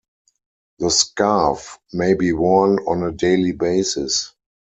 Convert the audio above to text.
The scarf may be worn on a daily basis.